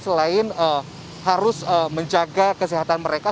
selain harus menjaga kesehatan mereka